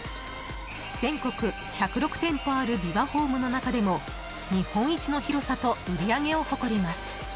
全国１０６店舗あるビバホームの中でも日本一の広さと売り上げを誇ります。